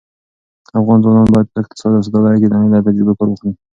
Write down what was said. افغان ځوانان باید په اقتصاد او سوداګرۍ کې د نړۍ له تجربو کار واخلي.